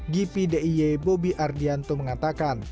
gpdiy bobby ardianto mengatakan